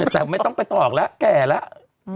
แต่ไม่ต้องไปตอกแล้วแก่แล้ว